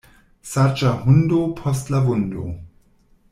Saĝa hundo post la vundo.